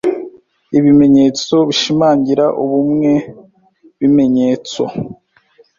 Ibimenyetso bishimangira ubumwe bimenyetso